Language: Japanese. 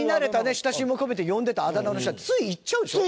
親しみも込めて呼んでたあだ名の人はつい言っちゃうでしょ？